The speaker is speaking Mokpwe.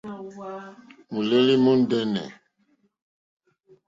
Mùlêlì mùndɛ́nɛ̀.